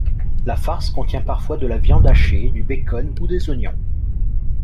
La farce contient parfois de la viande hachée, du bacon ou des oignons.